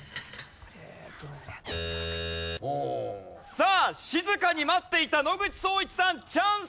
さあ静かに待っていた野口聡一さんチャンス！